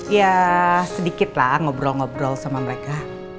ya sedikit lah ngobrol ngobrol sama mereka